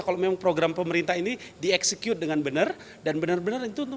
kalau memang program pemerintah ini dieksekut dengan benar dan benar benar itu untuk